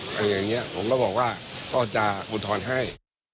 ผมก็บอกว่าก็จะอุทธรณ์ให้